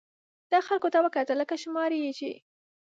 ده خلکو ته وکتل، لکه شماري یې چې.